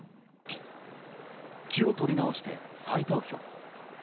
気を取り直して再投票。